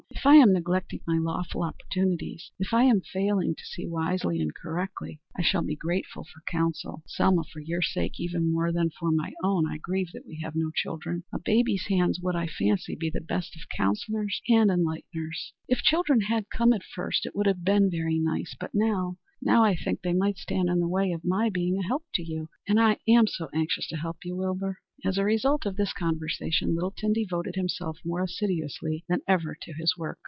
If I am neglecting my lawful opportunities, if I am failing to see wisely and correctly, I shall be grateful for counsel. Ah, Selma, for your sake, even more than for my own, I grieve that we have no children. A baby's hands would, I fancy, be the best of counsellors and enlighteners." "If children had come at first, it would have been very nice. But now now I think they might stand in the way of my being of help to you. And I am so anxious to help you, Wilbur." As a result of this conversation Littleton devoted himself more assiduously than ever to his work.